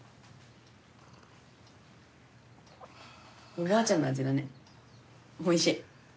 おばあちゃんの味だねおいしい。